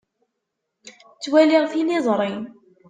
Ttwaliɣ tiliẓri.